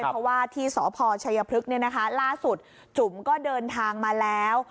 เพราะว่าที่สพชัยพฤกษ์ล่าสุดจุ๋มก็เดินทางมาแล้ว